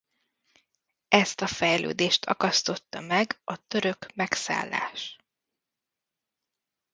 Ezt a fejlődést akasztotta meg a török megszállás.